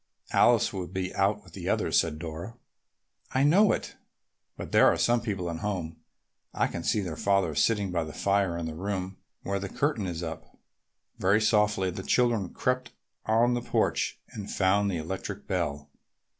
"Alice will be out with the others," said Dora. "I know it, but there are some people at home. I can see her father sitting by the fire in the room where the curtain is up." Very softly the children crept on the porch and found the electric bell.